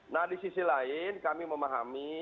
nah di sisi lain kami memahami